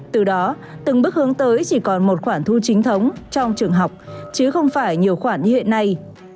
từ đó từng bước hướng tới chỉ còn một khoản thu chính thống trong trường học chứ không phải nhiều khoản như hiện nay